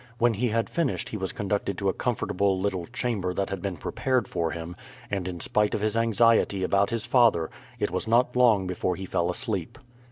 When he had finished he was conducted to a comfortable little chamber that had been prepared for him, and in spite of his anxiety about his father it was not long before he fell asleep.